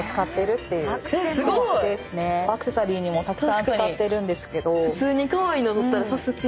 アクセサリーにもたくさん使ってるんですけど。